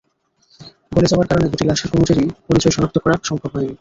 গলে যাওয়ার কারণে দুটি লাশের কোনোটিরই পরিচয় শনাক্ত করা সম্ভব হয়নি।